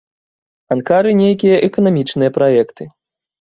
Анкары нейкія эканамічныя праекты.